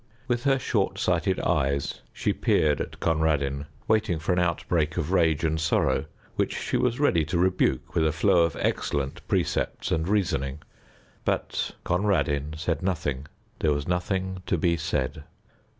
With her short sighted eyes she peered at Conradin, waiting for an outbreak of rage and sorrow, which she was ready to rebuke with a flow of excellent precepts and reasoning. But Conradin said nothing: there was nothing to be said.